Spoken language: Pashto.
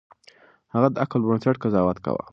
هغه د عقل پر بنسټ قضاوت کاوه.